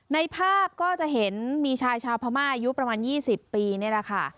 ในภาพก็จะเห็นมีชายชาวพม่าอายุประมาณ๒๐ปีนี่แหละค่ะ